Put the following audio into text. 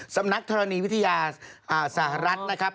สำนักธรณีวิทยาสหรัฐนะครับ